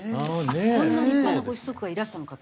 こんな立派なご子息がいらしたのかと。